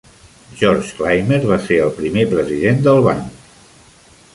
George Clymer va ser el primer president del banc.